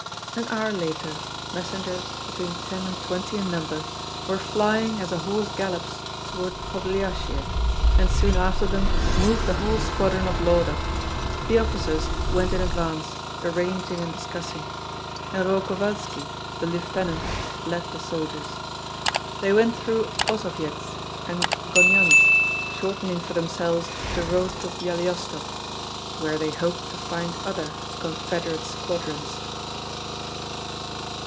An hour later, messengers, between ten and twenty in number, were flying as a horse gallops toward Podlyasye, and soon after them moved the whole squadron of Lauda. The officers went in advance, arranging and discussing; and Roh Kovalski, the lieutenant, led the soldiers. They went through Osovyets and Gonyandz, shortening for themselves the road to Byalystok, where they hoped to find other confederate squadrons.